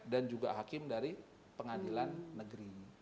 dan juga hakim dari pengadilan negeri